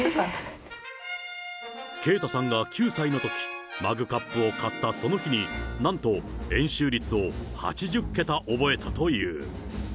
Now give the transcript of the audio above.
圭太さんが９歳のとき、マグカップを買ったその日になんと円周率を８０桁覚えたという。